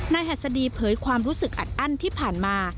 หัสดีเผยความรู้สึกอัดอั้นที่ผ่านมา